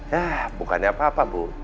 ya bukannya apa apa bu